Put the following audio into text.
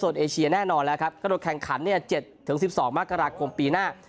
แน่นอนแล้วครับก็โดนแข่งขัน๗๑๒มากราคมปีหน้า